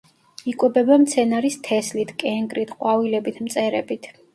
იკვებება მცენარის თესლით, კენკრით, ყვავილებით, მწერებით.